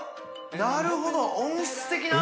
なるほど。